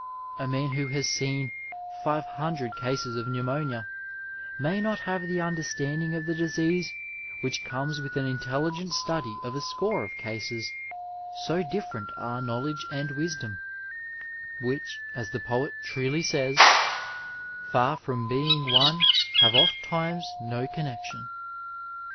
A man who has seen 600 cases of pneumonia may not have the understanding of the disease which comes with an intelligmt study of a score of cases, so differ^it are knowledge and wisdom, which, as the poet truly says, '' far from being <me have ofttimes no connexion."